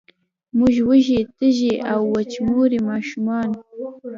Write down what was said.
موږ وږې، تږې او، وچموري ماشومان